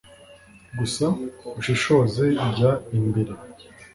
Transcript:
gusa ushishoze jya imbere.